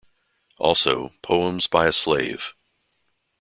Also, Poems by a Slave.